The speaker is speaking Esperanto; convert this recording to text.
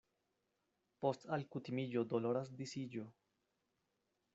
Post alkutimiĝo doloras disiĝo.